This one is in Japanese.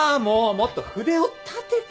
もっと筆を立てて！